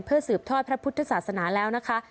สืบทอดพระพุทธศาสนาแล้วนะคะ